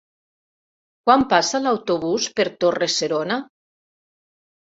Quan passa l'autobús per Torre-serona?